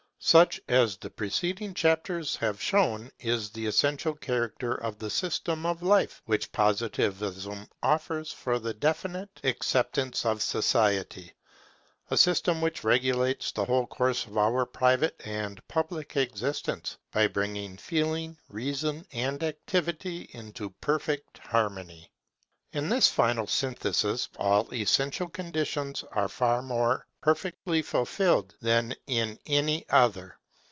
Such, as the preceding chapters have shown, is the essential character of the system of life which Positivism offers for the definite acceptance of society; a system which regulates the whole course of our private and public existence, by bringing Feeling, Reason, and Activity into permanent harmony. In this final synthesis, all essential conditions are far more perfectly fulfilled than in any other.